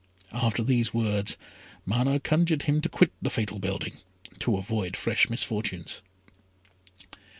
After these words, Mana conjured him to quit the fatal building to avoid fresh misfortunes.